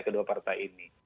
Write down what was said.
dua partai ini